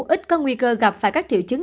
ít có nguy cơ gặp phải các triệu chứng